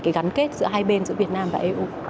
cái gắn kết giữa hai bên giữa việt nam và eu